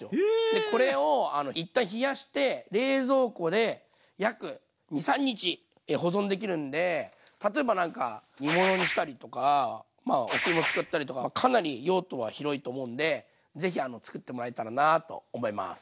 でこれを一旦冷やして冷蔵庫で約２３日保存できるんで例えばなんか煮物にしたりとかお吸い物作ったりとかかなり用途は広いと思うんで是非作ってもらえたらなと思います。